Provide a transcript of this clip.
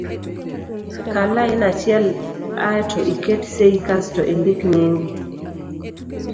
kal lain achiel ae to iket sei kasto indik nyingi